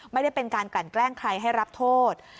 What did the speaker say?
ไม่ได้เป็นการกลั่นแกล้งใครให้รับโทษ